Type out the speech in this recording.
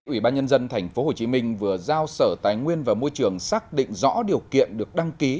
ủy ban nhân dân tp hcm vừa giao sở tài nguyên và môi trường xác định rõ điều kiện được đăng ký